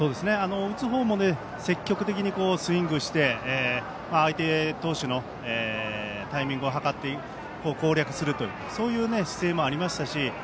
打つ方も積極的にスイングして、相手投手のタイミングを図って攻略するという姿勢もありましたし。